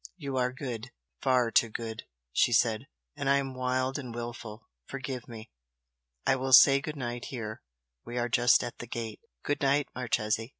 "You are good! far too good!" she said "And I am wild and wilful forgive me! I will say good night here we are just at the gate. Good night, Marchese!